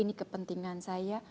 ini kepentingan saya